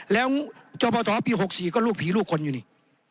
แล้วจพปี๖๔ก็ลูกผีลูกคนอยู่นี่